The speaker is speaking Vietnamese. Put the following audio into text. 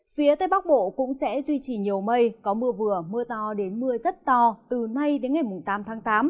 phía tây bắc bộ cũng sẽ duy trì nhiều mây có mưa vừa mưa to đến mưa rất to từ nay đến ngày tám tháng tám